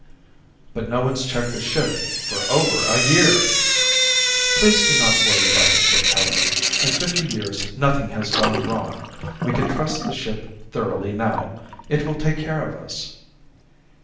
"But no one's checked the ship for over a year!" "Please do not worry about the ship, Kelly. In fifty years nothing has gone wrong. We can trust the ship thoroughly now, it will take care of us."